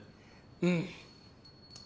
うん。